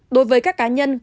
đối với các cá nhân